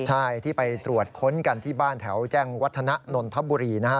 ใช่ที่ไปตรวจค้นกันที่บ้านแถวแจ้งวัฒนะนนทบุรีนะฮะ